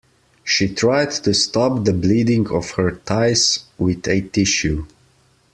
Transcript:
She tried to stop the bleeding of her thighs with a tissue.